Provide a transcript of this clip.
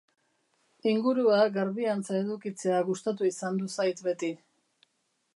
Ingurua garbiantza edukitzea gustatu izandu zait beti.